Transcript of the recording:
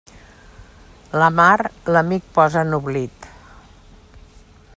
La mar, l'amic posa en oblit.